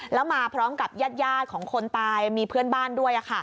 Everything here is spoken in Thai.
แล้วมาพร้อมกับญาติของคนตายมีเพื่อนบ้านด้วย